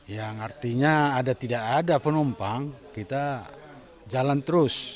yang artinya tidak ada penumpang kita jalan terus